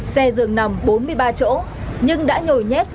xe dường nằm bốn mươi ba chỗ nhưng đã nhồi nhét bảy mươi hai hành khách